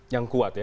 yang kuat ya